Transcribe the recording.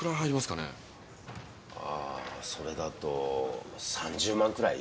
ああそれだと３０万くらい？